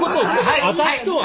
はい。